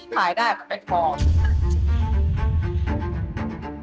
ขายได้ก็เป็นความ